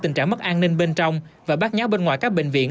tình trạng mất an ninh bên trong và bắt nháo bên ngoài các bệnh viện